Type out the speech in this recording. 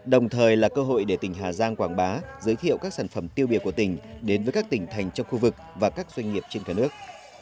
đồng thời là cơ hội để tỉnh hà giang quảng bá giới thiệu các sản phẩm tiêu biểu của tỉnh đến với các tỉnh thành trong khu vực và các doanh nghiệp trên cả nước